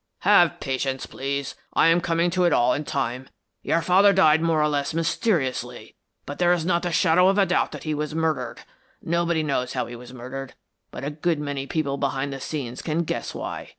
"Have patience please, I am coming to it all in time. Your father died more or less mysteriously, but there is not the shadow of a doubt that he was murdered. Nobody knows how he was murdered, but a good many people behind the scenes can guess why.